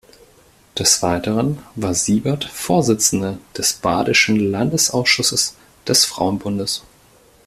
Des Weiteren war Siebert Vorsitzende des Badischen Landesausschusses des Frauenbundes.